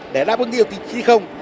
để đáp ứng điều kiện không